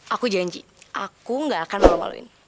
aku janji aku gak akan malu maluin